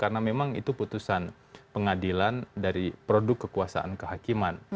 karena memang itu putusan pengadilan dari produk kekuasaan kehakiman